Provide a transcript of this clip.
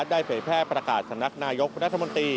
ได้เผยแพร่ประกาศสำนักนายกประธรรมนตรี